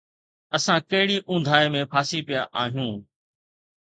اسان ڪهڙي اونداهي ۾ ڦاسي پيا آهيون؟